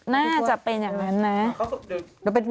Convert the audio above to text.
น่าจะเป็นอย่างนั้นนะ